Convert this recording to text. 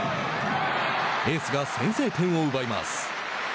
エースが先制点を奪います。